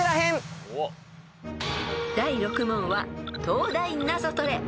［第６問は東大ナゾトレ］